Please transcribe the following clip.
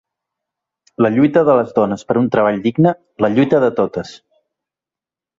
La lluita de les dones per un treball digne, la lluita de totes!